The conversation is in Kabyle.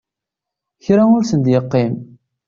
Kra ur sen-d-yeqqim.